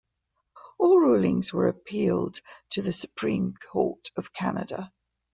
All rulings were appealed to the Supreme Court of Canada.